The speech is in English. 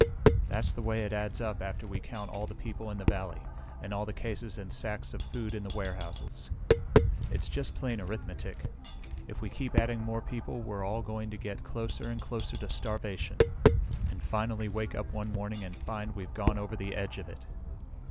That's the way it adds up after we count all the people in the valley, and all the cases and sacks of food in the warehouses. "It's just plain arithmetic. If we keep adding more people we're all going to get closer and closer to starvation, and finally wake up one morning and find we've gone over the edge of it.